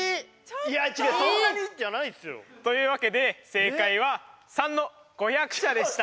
いや違う「そんなに」じゃないっすよ。というわけで正解は③の５００社でした。